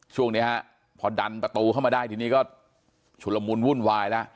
ช่วงนี้ฮะพอดันประตูเข้ามาได้ทีนี้ก็ชุดละมุนวุ่นวายแล้ว